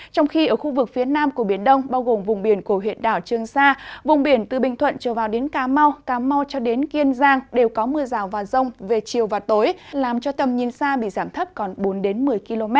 trong khi ở khu vực phía nam của biển đông bao gồm vùng biển của huyện đảo trương sa vùng biển từ bình thuận trở vào đến kiên giang đều có mưa rào và tối làm cho tầm nhìn xa bị giảm thấp còn bốn một mươi km